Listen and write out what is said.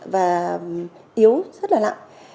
và yếu rất là lạ